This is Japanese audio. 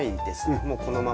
もうこのままで。